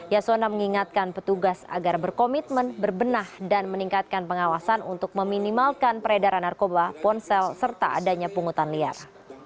yasona mengingatkan petugas agar berkomitmen berbenah dan meningkatkan pengawasan untuk meminimalkan peredaran narkoba ponsel serta adanya pungutan liar